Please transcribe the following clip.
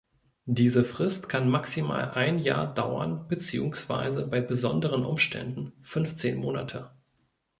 Diese Frist kann maximal ein Jahr dauern beziehungsweise, bei besonderen Umständen, fünfzehn Monate.